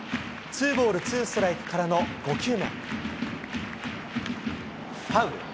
ツーボールツーストライクからの５球目。